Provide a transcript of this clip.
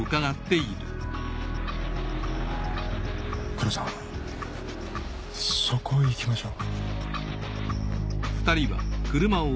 黒さんそこ行きましょう。